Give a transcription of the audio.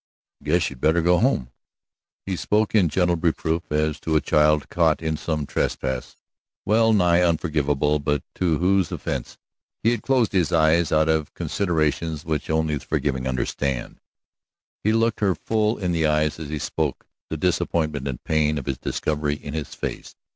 "I guess you'd better go home." He spoke in gentle reproof, as to a child caught in some trespass well nigh unforgivable, but to whose offense he had closed his eyes out of considerations which only the forgiving understand. He looked her full in the eyes as he spoke, the disappointment and pain of his discovery in his face.